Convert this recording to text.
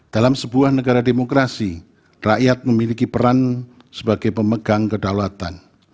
dalam sebuah negara demokrasi rakyat memiliki peran sebagai pemegang kedaulatan